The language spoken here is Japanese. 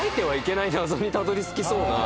たどりつきそうな